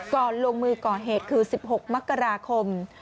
ลงมือก่อเหตุคือ๑๖มกราคม